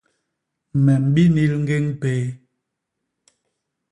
Me mbinil ñgéñ péé.